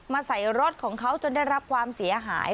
ใส่รถของเขาจนได้รับความเสียหาย